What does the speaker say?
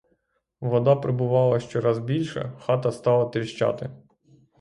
Вода прибувала щораз більше, хата стала тріщати.